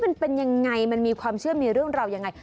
มันเป็นยังไงมันมีความเชื่อมีเรื่องราวยังไง